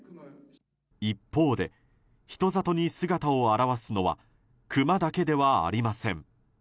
一方で人里に姿を現すのはクマだけではありません。